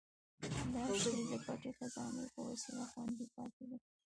دا شعر د پټې خزانې په وسیله خوندي پاتې دی.